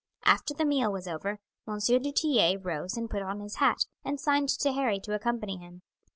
After the meal was over M. du Tillet rose and put on his hat, and signed to Harry to accompany him.